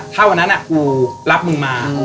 ถ้าวันนั้นกูรับมึงมา